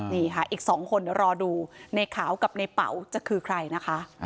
นี่ค่ะอีก๒คนเดี๋ยวรอดูในขาวกับในเป๋าจะคือใครนะคะ